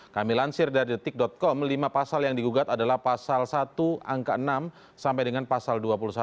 kami lansir dari detik com lima pasal yang digugat adalah pasal satu angka enam sampai dengan pasal dua puluh satu